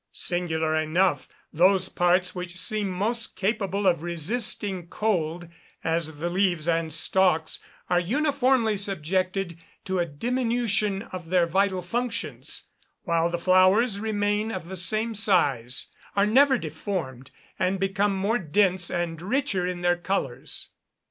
Singular enough, those parts which seem most capable of resisting cold, as the leaves and stalks, are uniformly subjected to a diminution of their vital functions; while the flowers remain of the same size, are never deformed, and become more dense and richer in their colours.